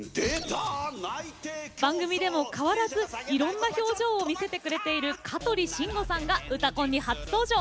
番組でも変わらずいろんな表情を見せてくれている香取慎吾さんが「うたコン」に初登場。